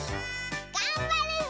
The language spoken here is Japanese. がんばるぞ！